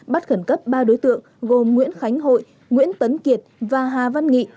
bắt khẩn cấp ba đối tượng gồm nguyễn khánh hội nguyễn tấn kiệt và hà văn nghị